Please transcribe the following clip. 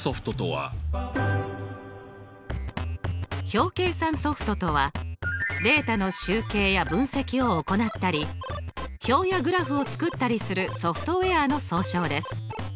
表計算ソフトとはデータの集計や分析を行ったり表やグラフを作ったりするソフトウエアの総称です。